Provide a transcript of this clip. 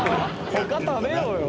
他食べようよ。